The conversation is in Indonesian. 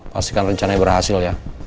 pastikan rencana berhasil ya